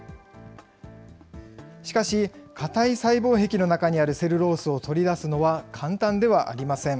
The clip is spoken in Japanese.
しかし、硬い細胞壁の中にあるセルロースを取り出すのは簡単ではありません。